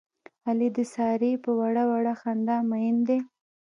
علي د سارې په وړه وړه خندا مین دی.